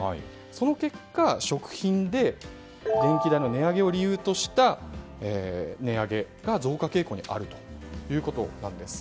その結果、食品で電気代の値上げを理由とした値上げが増加傾向にあるということなんです。